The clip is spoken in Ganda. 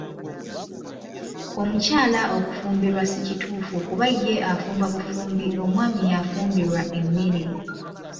Omukyala okufumbirwa si kituufu kuba ye afumba bufumbi omwami yafumbirwa emmere.